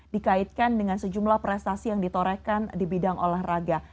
dikaitkan dengan sejumlah prestasi yang ditorehkan di bidang olahraga